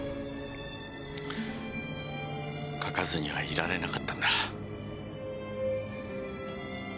書かずにはいられなかったんだ。